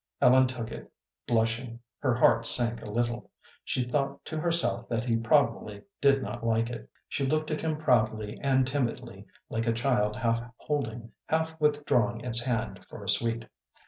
Ellen took it, blushing. Her heart sank a little. She thought to herself that he probably did not like it. She looked at him proudly and timidly, like a child half holding, half withdrawing its hand for a sweet.